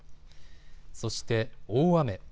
そして、大雨。